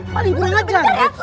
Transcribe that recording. paling kurang aja